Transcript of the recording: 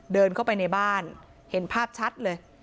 เดินเข้าไปในบ้านเห็นภาพชัดเลย